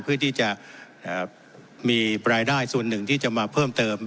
เพื่อที่จะมีรายได้ส่วนหนึ่งที่จะมาเพิ่มเติม